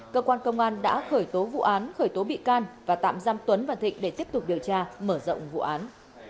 cơ quan công an đã khởi tố vụ án khởi tố bị can và tạm giam tuấn và thịnh để tiếp tục điều tra mở rộng vụ án